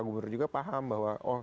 gubernur juga paham bahwa